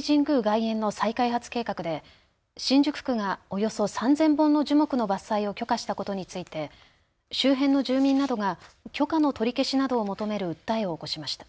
外苑の再開発計画で新宿区がおよそ３０００本の樹木の伐採を許可したことについて周辺の住民などが許可の取り消しなどを求める訴えを起こしました。